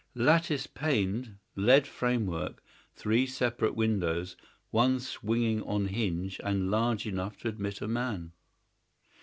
"Lattice paned, lead framework, three separate windows, one swinging on hinge and large enough to admit a man."